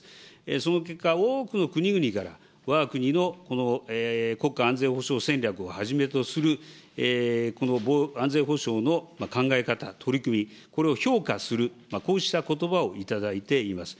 その結果、多くの国々から、わが国の国家安全保障戦略をはじめとする、安全保障の考え方、取り組み、これを評価する、こうしたことばを頂いています。